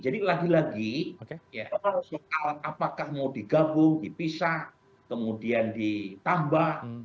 jadi lagi lagi soal apakah mau digabung dipisah kemudian ditambah